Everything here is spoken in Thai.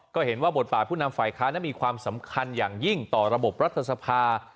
ก็เห็นว่าบทบาทผู้นำฝ่ายค้านั้นมีความสำคัญอย่างยิ่งต่อระบบรัฐสภา